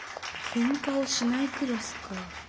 「ケンカをしないクラス」か。